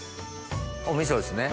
お味噌ですね。